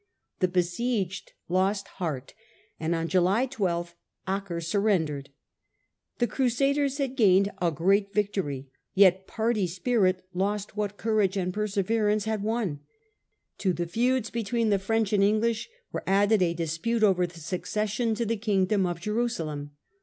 The besieged lost heart, and on July 12th Acre surrendered. The Crusaders had gained a great victory, yet party spirit lost what courage and persever ance had won. To the feuds between the French and English was added a dispute over the succession to the kingdom of Jerusalem.